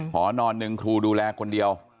หอนอนหนึ่งครูดูแลคนเดียว